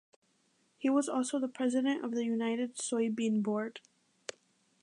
He was also the president of the United Soybean Board.